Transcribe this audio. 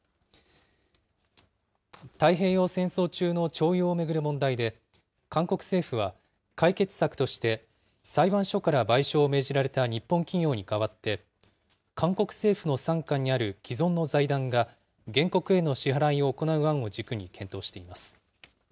太平洋戦争中の徴用を巡る問題で、韓国政府は、解決策として裁判所から賠償を命じられた日本企業に代わって、韓国政府の傘下にある既存の財団が原告への支払いを行う案を軸に検討しています。